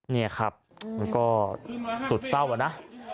นี่ครับก็สุดเศร้านะ